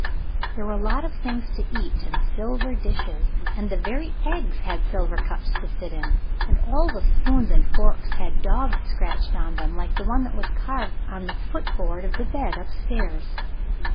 There were a lot of things to eat in silver dishes, and the very eggs had silver cups to sit in, and all the spoons and forks had dogs scratched on them like the one that was carved on the foot board of the bed up stairs.